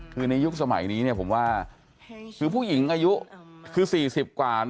คือในยุคสมัยนี้ผมว่าคือผู้หญิงอายุคือ๔๐กว่า